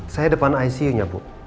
saya depan icu nya bu